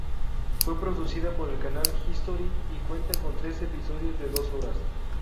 Fue producida por el canal History y cuenta con tres episodios de dos horas.